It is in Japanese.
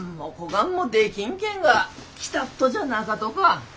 がんもできんけんが来たっとじゃなかとか？